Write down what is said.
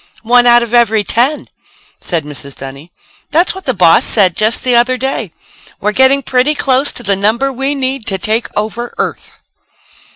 "One out of every ten!" said Mrs. Dunny. "That's what the boss said just the other day. 'We're getting pretty close to the number we need to take over Earth.'"